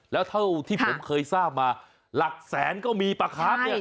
แล้วเท่าที่ผมเคยทราบมาหลักแสนก็มีปลาค้างเนี่ย